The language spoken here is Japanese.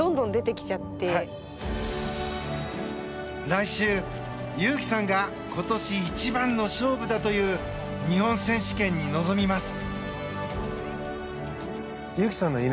来週、有紀さんが今年一番の勝負だという日本選手権に臨みます。